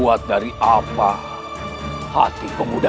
yang bukan para pemuda